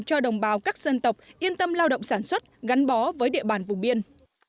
cho đồng bào các dân tộc yên tâm lao động sản xuất gắn bó với địa bàn vùng biên